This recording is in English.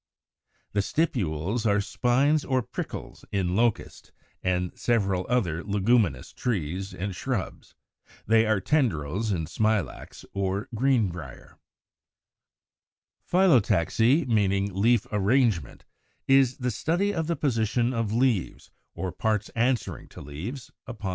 180. The stipules are spines or prickles in Locust and several other Leguminous trees and shrubs; they are tendrils in Smilax or Greenbrier. § 4. THE ARRANGEMENT OF LEAVES. 181. =Phyllotaxy=, meaning leaf arrangement, is the study of the position of leaves, or parts answering to leaves, upon the stem.